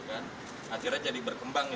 akhirnya jadi berkembang